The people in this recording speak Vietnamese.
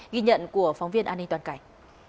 ghi nhận của phóng viên an ninh toàn cảnh